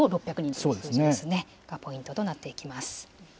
ということがポイントとなっていきます。